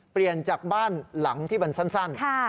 เปลี่ยนจากบ้านหลังที่มันสั้น